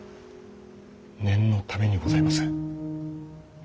念のためにございます。